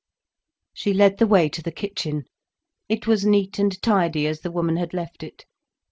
She led the way to the kitchen. It was neat and tidy, as the woman had left it.